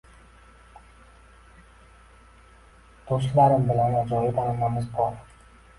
Do'stlarim bilan ajoyib an'anamiz bor